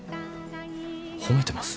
褒めてます？